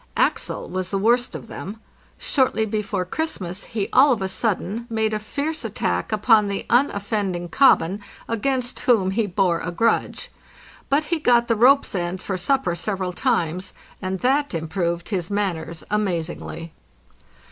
""Axel" was the worst of them. Shortly before Christmas he all of a sudden made a fierce attack upon the unoffending '" Kobben," against whom he bore a grudge. But he got the rope's end for supper several times, and that improved his man ners amazingly.